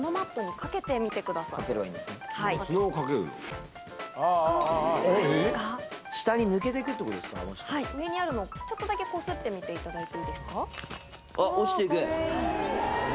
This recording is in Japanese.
はい上にあるのをちょっとだけこすってみていただいて。